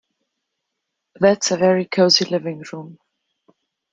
That's a very cosy living room